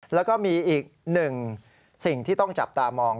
แล้วก็มีอีกหนึ่งสิ่งที่ต้องจับตามอง